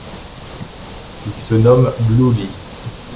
Il se nomme Bluely.